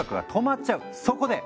そこで！